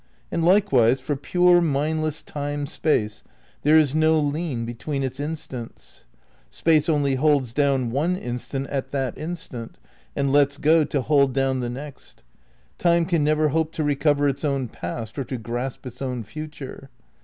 And, likewise, for pure, mindless Time Space there is no lien between its instants. Space only holds down one instant at that instant and lets go to hold down the next. Time can never hope to recover its own past or to grasp its own future.